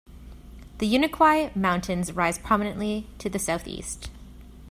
The Unicoi Mountains rise prominently to the southeast.